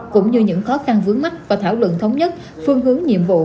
cũng như những khó khăn vướng mắt và thảo luận thống nhất phương hướng nhiệm vụ